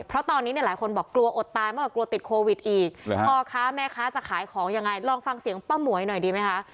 เพราะตอนนี้เนี่ยหลายคนบอกกลัวอดตายมากกว่ากลัวติดโควิดอีกพ่อค้าแม่ค้าจะขายของยังไงลองฟังเสียงป้าหมวยหน่อยดีไหมคะ